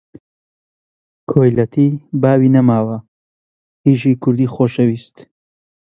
کۆیلەتی باوی نەماوە، کیژی کوردی خۆشەویست!